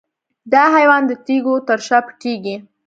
دا حیوان د تیږو تر شا پټیږي.